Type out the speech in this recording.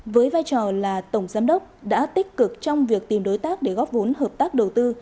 với vai trò là tổng giám đốc đã tích cực trong việc tìm đối tác để góp vốn hợp tác đầu tư